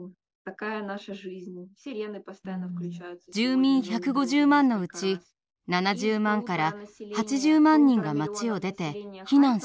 住民１５０万のうち７０万８０万人が町を出て避難しました。